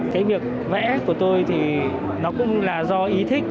cái việc vẽ của tôi thì nó cũng là do ý thích